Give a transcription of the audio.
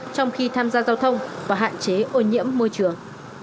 trong khi tham gia giao thông và hạn chế ô nhiễm môi trường